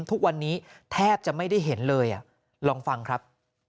ทุกวันนี้แทบจะไม่ได้เห็นเลยลองฟังครับ